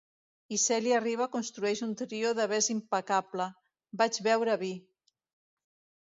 I Cèlia Riba construeix un trio de ves impecable: "Vaig veure vi".